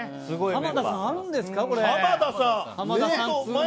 浜田さんあるんですか。